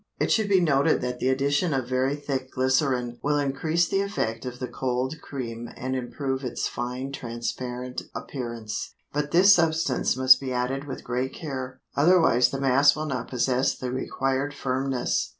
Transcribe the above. It should be noted that the addition of very thick glycerin will increase the effect of the cold cream and improve its fine transparent appearance; but this substance must be added with great care, otherwise the mass will not possess the required firmness.